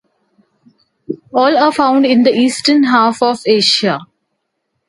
All are found in the eastern half of Asia.